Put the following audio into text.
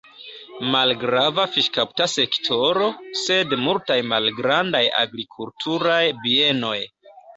Malgrava fiŝkapta sektoro, sed multaj malgrandaj agrikulturaj bienoj.